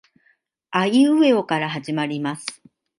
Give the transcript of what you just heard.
あいうえおから始まります